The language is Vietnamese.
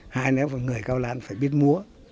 hai nữa là người cao lan phải biết múa